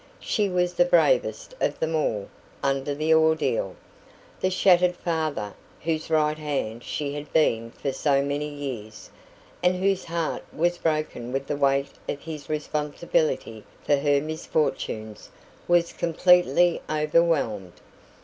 She was the bravest of them all under the ordeal. The shattered father, whose right hand she had been for so many happy years, and whose heart was broken with the weight of his responsibility for her misfortunes, was completely overwhelmed.